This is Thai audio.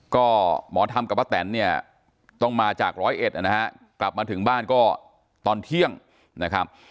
ก็หมอธรรมกับป้าแตนเนี่ยต้องมาจากร้อยเอ็ดนะฮะกลับมาถึงบ้านก็ตอนเที่ยงนะครับ